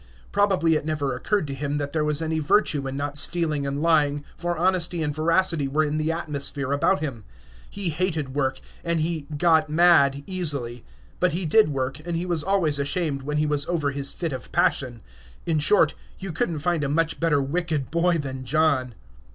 Probably it never occurred to him that there was any virtue in not stealing and lying, for honesty and veracity were in the atmosphere about him. He hated work, and he "got mad" easily; but he did work, and he was always ashamed when he was over his fit of passion. In short, you couldn't find a much better wicked boy than John.